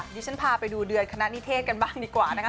ดิฉันพาไปดูเดือนคณะนิเทศกันบ้างดีกว่านะคะ